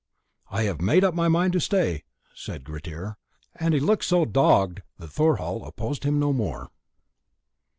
"I have made up my mind to stay," said Grettir, and he looked so dogged that Thorhall opposed him no more.